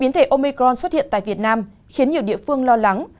biến thể omicron xuất hiện tại việt nam khiến nhiều địa phương lo lắng